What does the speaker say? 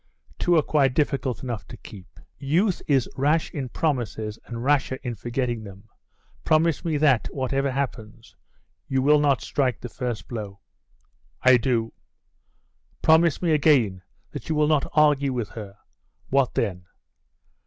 'Two are quite difficult enough to keep. Youth is rash in promises, and rasher in forgetting them. Promise me that, whatever happens, you will not strike the first blow.' 'I do.' 'Promise me again, that you will not argue with her.' 'What then?